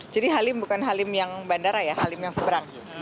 jadi halim bukan halim yang bandara ya halim yang seberang